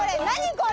これ。